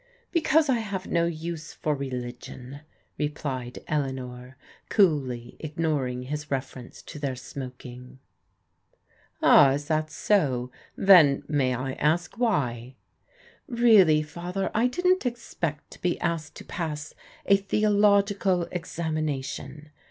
" Because I have no use for religion," replied Eleanor, coolly ignoring his reference to their smoking. "Ah, is that so ? Then, may I ask why ?"" Really, Father, I didn't expect to be asked to pass a theological examination.